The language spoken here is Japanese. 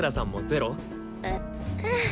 ううん。